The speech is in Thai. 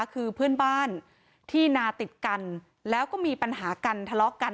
คือเพื่อนบ้านที่นาติดกันแล้วก็มีปัญหากันทะเลาะกัน